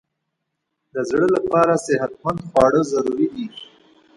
د زړه لپاره صحتمند خواړه ضروري دي.